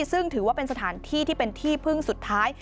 ซึ่งถือว่าเป็นสถานที่ที่เป็นที่พึ่งสุดท้าย